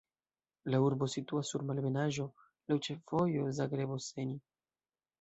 La urbo situas sur malebenaĵo, laŭ ĉefvojo Zagrebo-Senj.